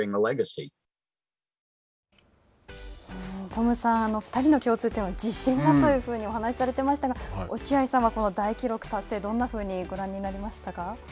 トムさん、２人の共通点は自信だというふうにお話をされていましたが、落合さんはこの大記録達成どんなふうにご覧になりましたか。